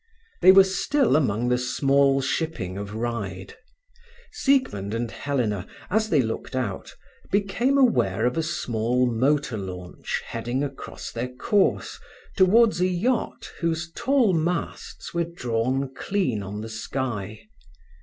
They were still among the small shipping of Ryde. Siegmund and Helena, as they looked out, became aware of a small motor launch heading across their course towards a yacht whose tall masts were drawn clean on the sky.